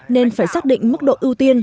nên phải xác định mức độ ưu tiên